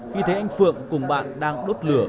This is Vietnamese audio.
khi thấy anh phượng cùng bạn đang đốt lửa